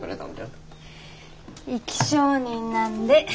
生き証人なんで。